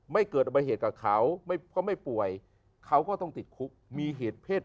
ไม่เกิดประเภทกับเขาก็ไม่ป่วยเขาก็ต้องติดคุกมีเหตุเผ็ด